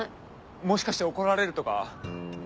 もしかして怒られるとか。